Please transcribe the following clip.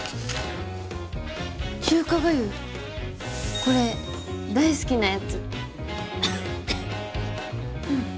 これ大好きなやつ。